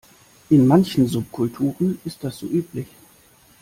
In manchen Subkulturen ist das so üblich.